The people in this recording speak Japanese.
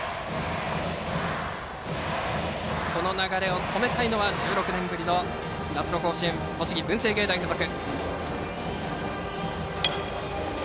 この流れを止めたいのは１６年ぶりの夏の甲子園栃木・文星芸大付属。